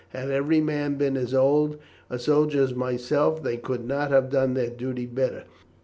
Had every man been as old a soldier as myself they could not have done their duty better.